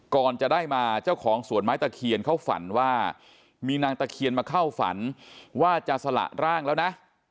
ก่อนจะได้มาเจ้าของสวนไม้ตะเคียนเขาฝันว่ามีนางตะเคียนมาเข้าฝันว่าจะสละร่างแล้วนะ